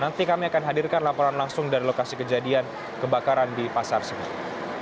nanti kami akan hadirkan laporan langsung dari lokasi kejadian kebakaran di pasar senen